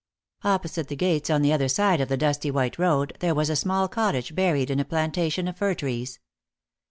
Opposite the gates on the other side of the dusty white road there was a small cottage buried in a plantation of fir trees.